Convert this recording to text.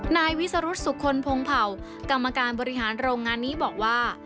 นายวิสรุธสุขคลพงเผ่ากรรมการบริหารโรงงานนี้บอกว่า